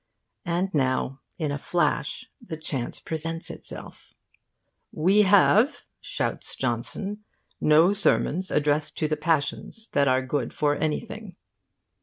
And now in a flash the chance presents itself. 'We have,' shouts Johnson, 'no sermons addressed to the passions, that are good for anything.